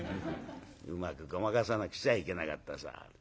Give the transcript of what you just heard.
うまくごまかさなくちゃいけなかったそう。